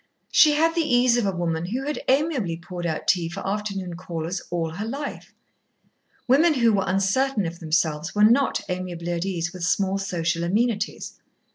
She had the ease of a woman who had amiably poured out tea for afternoon callers all her life. Women who were uncertain of themselves were not amiably at ease with small social amenities.